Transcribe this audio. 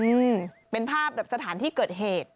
อืมเป็นภาพแบบสถานที่เกิดเหตุ